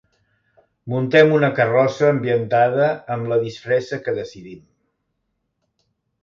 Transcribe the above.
Muntem una Carrossa ambientada amb la disfressa que decidim.